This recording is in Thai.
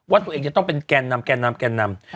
ว่าตัวเองจะต้องเป็นแกนนำแกนนำแกนนำ